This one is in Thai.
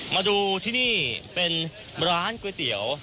มาดูที่นี่เป็นร้านก๋วยเตี๋ยว